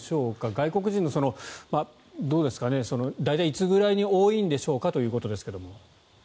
外国人のどうですかね大体、いつぐらいに多いんでしょうかということですが。